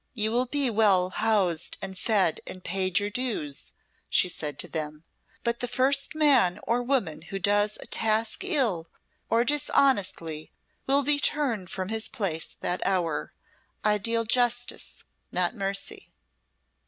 "You will be well housed and fed and paid your dues," she said to them; "but the first man or woman who does a task ill or dishonestly will be turned from his place that hour. I deal justice not mercy."